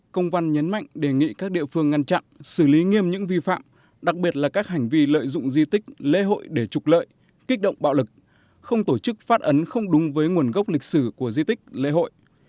công văn nhấn mạnh đề nghị các địa phương ngăn chặn xử lý nghiêm những vi phạm đặc biệt là các hành vi lợi dụng di tích lễ hội để trục lợi kích động bạo lực không tổ chức phát ấn không đúng với nguồn gốc lịch sử của di tích lễ hội